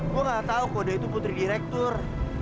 gue gak tau kok dia itu putri direktur